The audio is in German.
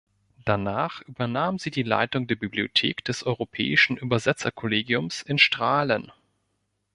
Danach übernahm sie die Leitung der Bibliothek des Europäischen Übersetzer-Kollegiums in Straelen.